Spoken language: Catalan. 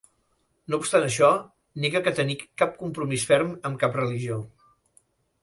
No obstant això, nega que tenir cap compromís ferm amb cap religió.